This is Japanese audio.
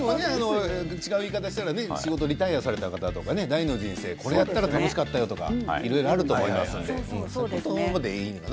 違う言い方をしたらあれですけど仕事をリタイアされた第二の人生これやったら楽しかったよっていうのもいろいろあると思いますのでそういうことでいいのかな？